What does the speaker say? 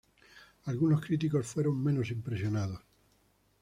Algunos críticos fueron menos impresionado.